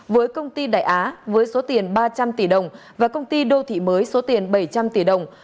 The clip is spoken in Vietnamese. với công ty đại á với số tiền ba trăm linh tỷ đồng và công ty đô thị mới số tiền bảy trăm linh tỷ đồng